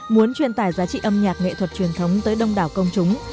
muốn truyền tải giá trị âm nhạc nghệ thuật truyền thống tới đông đảo công chúng